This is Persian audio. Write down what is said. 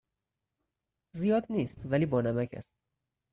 زیاد نیست ولی بانمک است.